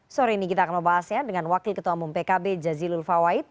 sore ini kita akan membahasnya dengan wakil ketua umum pkb jazil ulfa waib